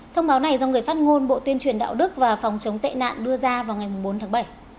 thông báo này do người phát ngôn bộ tuyên truyền đạo đức và phòng chống tệ nạn đưa ra vào ngày bốn tháng bảy